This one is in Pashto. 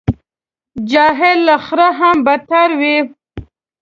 جاهل له خره هم بدتر وي.